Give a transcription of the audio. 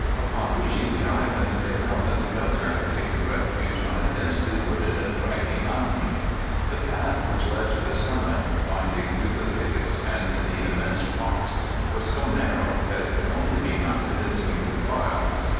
Upon reaching the island they found that the governor had taken refuge on a densely wooded and craggy mountain. The path which led to the summit, winding through the thickets and the immense rocks, was so narrow that it could only be mounted in single file.